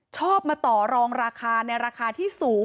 ชอบมาต่อรองราคาในราคาที่สูง